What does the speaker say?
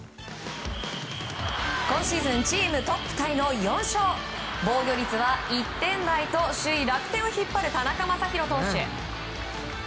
今シーズンチームトップタイの４勝防御率は１点台と首位、楽天を引っ張る田中将大投手。